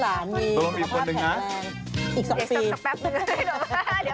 ตัวละมีคนหนึ่งนะอีกสักปีอีกสักแป๊บหนึ่ง